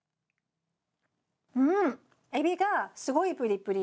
うんエビがすごいプリプリ。